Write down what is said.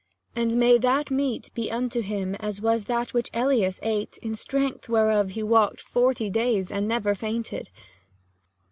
And may that meat be unto him, as was That which Elias ate, in strength whereof He walked forty days, and never fainted.